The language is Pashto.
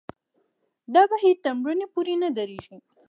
دا بهیر تر مړینې پورې نه درېږي.